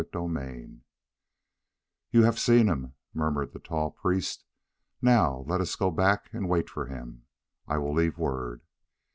CHAPTER 2 "You have seen him," murmured the tall priest. "Now let us go back and wait for him. I will leave word."